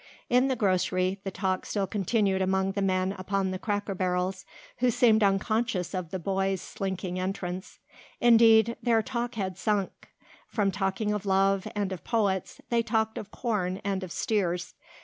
In the grocery the talk still continued among the men upon the cracker barrels who seemed unconscious of the boy's slinking entrance. Indeed, their talk had sunk. From talking of love and of poets they talked of corn and of steers.